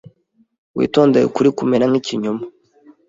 Witondere ukuri kumera nkikinyoma